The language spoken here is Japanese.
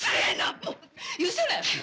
もう許せないわよ